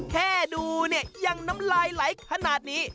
แค่ดูเนี่ยยังน้ำลายไหลขนาดนี้